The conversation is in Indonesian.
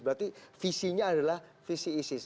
berarti visinya adalah visi isis